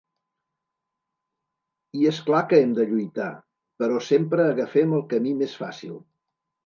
I és clar que hem de lluitar, però sempre agafem el camí més fàcil.